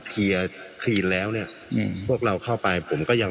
เคลียร์ครีนแล้วเนี่ยพวกเราเข้าไปผมก็ยัง